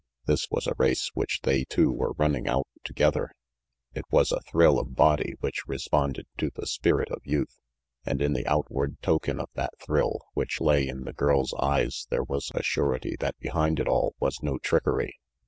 This was a race which they 358 RANGY PETE two were running out together; it was a thrill of body which responded to the spirit of youth, and in the outward token of that thrill which lay in the girl's eyes there was a surety that behind it all was no trickery.